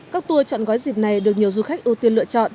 các tour chọn gói dịp này được nhiều du khách ưu tiên lựa chọn